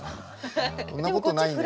んなことないんだけど。